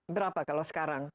berapa kalau sekarang